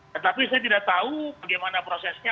tetapi saya tidak tahu bagaimana prosesnya